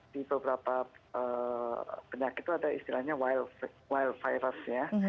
di beberapa penyakit itu ada istilahnya wild virus